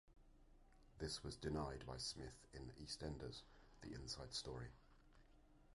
This was denied by Smith in "EastEnders: The Inside Story".